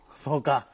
そうか。